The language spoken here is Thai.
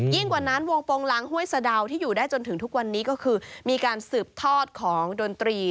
กว่านั้นวงโปรงหลังห้วยสะดาวที่อยู่ได้จนถึงทุกวันนี้ก็คือมีการสืบทอดของดนตรี